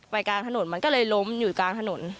กลางถนนมันก็เลยล้มอยู่กลางถนน